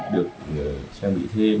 được trang bị thêm